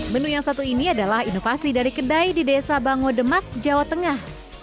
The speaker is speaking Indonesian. menu yang satu ini adalah inovasi dari kedai di desa bangodemak jawa tengah